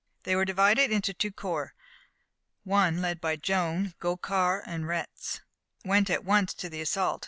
They were divided into two corps. One, led by Joan, Gaucourt, and Retz, went at once to the assault.